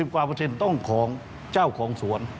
๗๐กว่าต้องของเจ้าของสวน